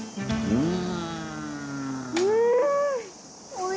うん！